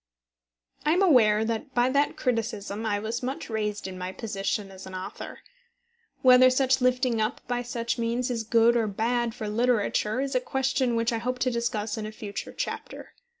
I am aware that by that criticism I was much raised in my position as an author. Whether such lifting up by such means is good or bad for literature is a question which I hope to discuss in a future chapter.